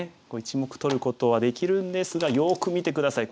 １目取ることはできるんですがよく見て下さい。